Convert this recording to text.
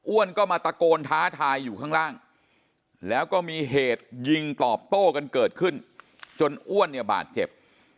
ก็มาตะโกนท้าทายอยู่ข้างล่างแล้วก็มีเหตุยิงตอบโต้กันเกิดขึ้นจนอ้วนเนี่ยบาดเจ็บ